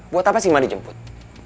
buat apa sih ma dijemput